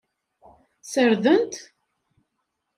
Ssarden-t.